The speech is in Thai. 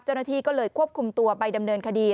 เจ้าหน้าที่ก็เลยควบคุมตัวไปดำเนินคดี